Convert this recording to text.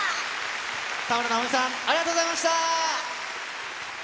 田村直美さん、ありがとうございました。